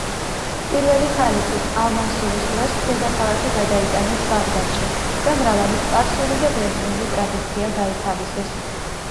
პირველი ხალიფის, ალ-მანსურის დროს, დედაქალაქი გადაიტანეს ბაღდადში და მრავალი სპარსული და ბერძნული ტრადიცია გაითავისეს.